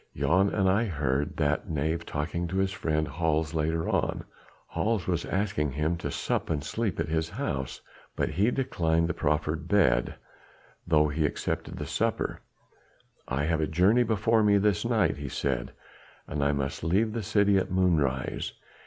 "Jan and I heard that knave talking to his friend Hals later on. Hals was asking him to sup and sleep at his house. But he declined the proffered bed, though he accepted the supper: 'I have a journey before me this night,' he said, 'and must leave the city at moonrise.'